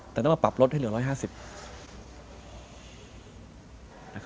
แต่ต้องมาปรับลดให้เหลือ๑๕๐